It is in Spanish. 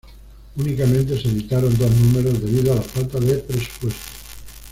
Únicamente se editaron dos números, debido a la falta de presupuesto.